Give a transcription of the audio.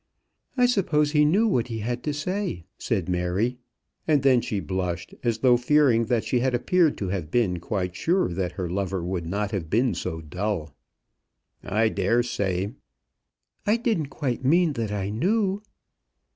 "I suppose he knew what he had to say," said Mary. And then she blushed, as though fearing that she had appeared to have been quite sure that her lover would not have been so dull. "I daresay." "I didn't quite mean that I knew."